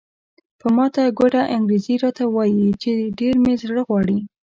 په ماته ګوډه انګریزي راته وایي چې ډېر مې زړه غواړي.